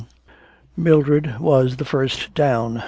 XV. Mildred was the first down.